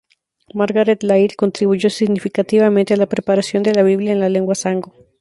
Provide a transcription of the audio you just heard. Margaret Laird contribuyó significativamente a la preparación de la Biblia en la lengua Sango.